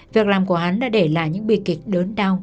việc làm của hắn đã để lại những bi kịch đớn đau